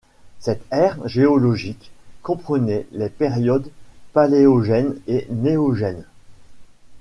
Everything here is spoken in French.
Cette ère géologique comprenait les périodes Paléogène et Néogène.